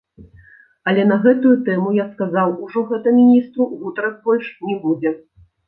Але на гэтую тэму, я сказаў ужо гэта міністру, гутарак больш не будзе.